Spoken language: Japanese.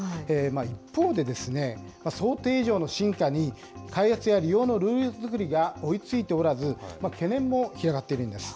一方で、想定以上の進化に、開発や利用のルール作りが追いついておらず、懸念も広がっているんです。